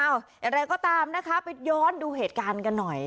อย่างไรก็ตามนะคะไปย้อนดูเหตุการณ์กันหน่อย